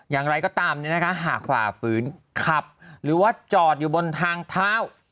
อย่างไรก็ตามหากฝ่าฝืนขับหรือว่าจอดอยู่บนทางเท้า